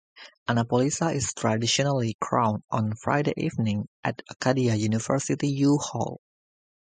Annapolisa is traditionally crowned on Friday evening, at Acadia University U Hall.